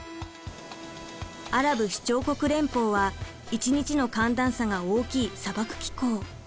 アラブ首長国連邦は一日の寒暖差が大きい砂漠気候。